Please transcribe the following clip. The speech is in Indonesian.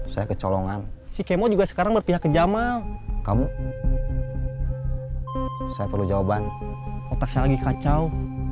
saya kecolongan si kemo juga sekarang berpihak ke jamal kamu saya perlu jawaban otak saya lagi kacau